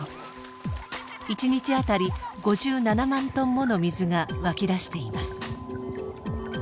１日あたり５７万トンもの水が湧き出しています。